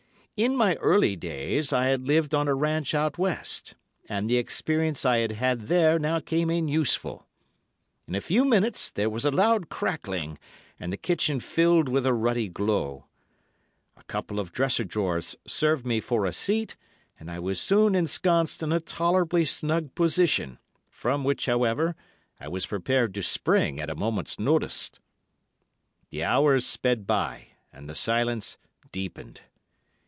In my early days I had lived on a ranch out west, and the experience I had had there now came in useful. In a few minutes there was a loud crackling, and the kitchen filled with a ruddy glow. A couple of dresser drawers served me for a seat, and I was soon ensconced in a tolerably snug position, from which, however, I was prepared to spring at a moment's notice. "The hours sped by, and the silence deepened.